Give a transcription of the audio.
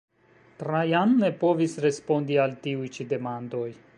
Trajan ne povis respondi al tiuj ĉi demandoj.